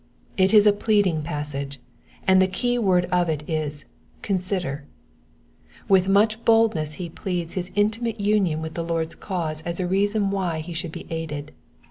It is a pleading passage, and the key word of it i?, *' Consider/' With mnch boldness be pleads his intimate union with the Lord's cause as a reason why he should be aided.